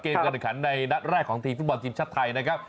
การแข่งขันในนัดแรกของทีมฟุตบอลทีมชาติไทยนะครับ